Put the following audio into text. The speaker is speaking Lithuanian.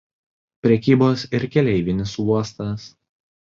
Prekybos ir keleivinis uostas.